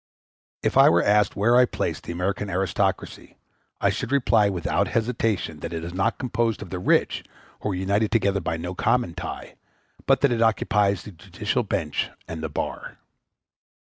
If I were asked where I place the American aristocracy, I should reply without hesitation that it is not composed of the rich, who are united together by no common tie, but that it occupies the judicial bench and the bar.